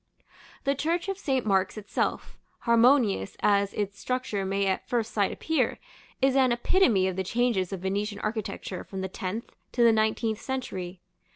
The church of St. Mark's itself, harmonious as its structure may at first sight appear, is an epitome of the changes of Venetian architecture from the tenth to the nineteenth century.